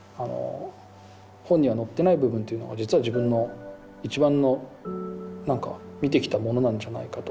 本には載ってない部分っていうのが実は自分の一番のなんか見てきたものなんじゃないかと。